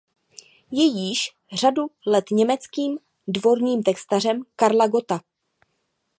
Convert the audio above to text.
Je jíž řadu let německým "dvorním" textařem Karla Gotta.